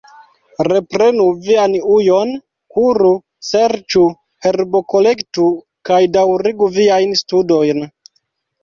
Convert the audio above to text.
Reprenu vian ujon, kuru, serĉu, herbokolektu, kaj daŭrigu viajn studojn.